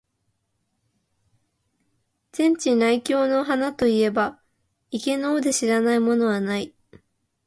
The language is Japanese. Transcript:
禅智内供の鼻と云えば、池の尾で知らない者はない。